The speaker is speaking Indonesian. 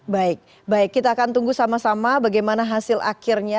baik baik kita akan tunggu sama sama bagaimana hasil akhirnya